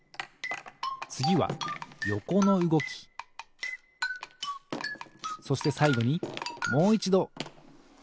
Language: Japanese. つぎはよこのうごきそしてさいごにもういちどたてのうごき。